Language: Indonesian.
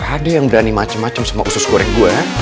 ada yang berani macem macem sama usus goreng gue ya